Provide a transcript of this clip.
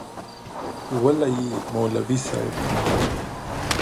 وله یی مولوی صیب